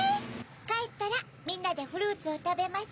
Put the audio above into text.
かえったらみんなでフルーツをたべましょう！